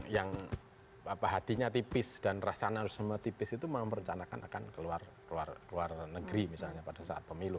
yang hatinya tipis dan rasanya harus semua tipis itu merencanakan akan keluar negeri misalnya pada saat pemilu